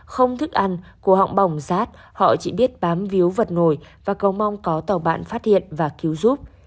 không thức ăn của họng bỏng rát họ chỉ biết bám víu vật nổi và cầu mong có tàu bạn phát hiện và cứu giúp